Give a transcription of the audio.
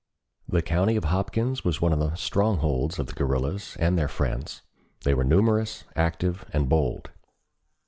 "The county of Hopkins was one of the strongholds of the guerrillas and their friends; they were numerous, active, and bold.